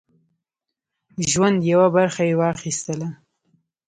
ژوند یوه برخه یې واخیستله.